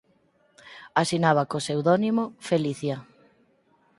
Asinaba co pseudónimo Felicia.